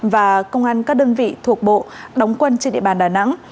và công an các đơn vị thuộc bộ đóng quân trên địa bàn đà nẵng